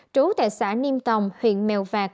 trú tại xã niêm tồng huyện mèo vạc